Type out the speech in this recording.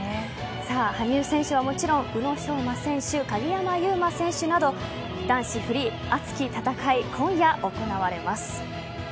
羽生選手はもちろん宇野昌磨選手、鍵山優真選手など男子フリー熱き戦い、今夜行われます。